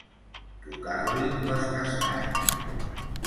Tocar-li les castanyes.